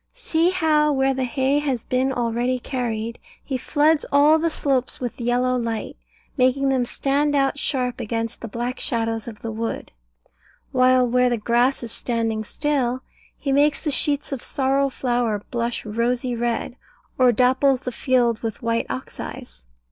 See how, where the hay has been already carried, he floods all the slopes with yellow light, making them stand out sharp against the black shadows of the wood; while where the grass is standing still, he makes the sheets of sorrel flower blush rosy red, or dapples the field with white oxeyes.